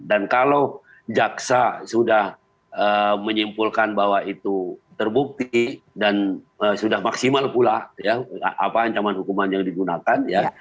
kalau jaksa sudah menyimpulkan bahwa itu terbukti dan sudah maksimal pula apa ancaman hukuman yang digunakan ya